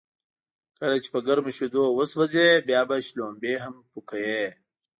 کله چې په گرمو شیدو و سوځې، بیا به شړومبی هم پو کوې.